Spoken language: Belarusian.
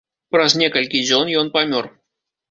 Праз некалькі дзён ён памёр.